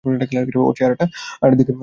ওর চেহারাটার দিকে তাকাও।